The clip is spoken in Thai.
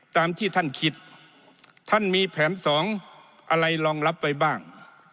ตามที่ท่านคิดท่านมีแผนสองอะไรรองรับไว้บ้าง